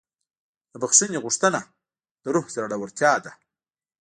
د بښنې غوښتنه د روح زړورتیا ده.